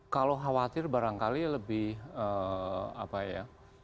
kalau khawatir barangkali lebih apa ya